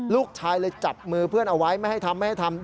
ลูกชายเลยจับมือเพื่อนเอาไว้ไม่ให้ทำไม่ให้ทำ